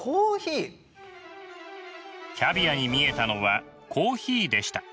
キャビアに見えたのはコーヒーでした。